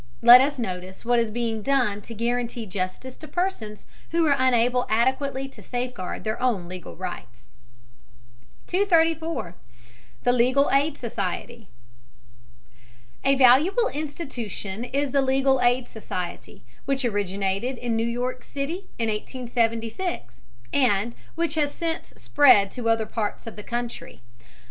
Let us notice what is being done to guarantee justice to persons who are unable adequately to safeguard their own legal rights. 234. THE LEGAL AID SOCIETY. A valuable institution is the legal aid society, which originated in New York City in 1876, and which has since spread to other parts of the country.